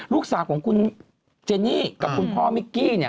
ลูกสาวของคุณเจนี่กับคุณพ่อมิกกี้เนี่ย